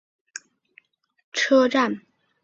伊奈牛站石北本线上的站。